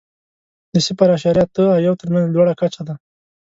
د صفر اعشاریه اته او یو تر مینځ لوړه کچه ده.